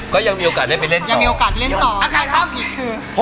ก็ยังมีโอกาสเล่นไปเล่นต่อ